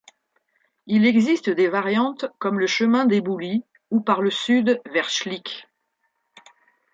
Il existe des variantes comme le chemin d'éboulis ou par le sud vers Schlick.